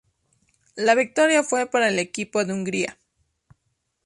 La victoria fue para el equipo de Hungría.